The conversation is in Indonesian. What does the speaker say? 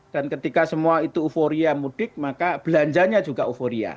dan ketika semua itu euforia mudik maka belanjanya juga euforia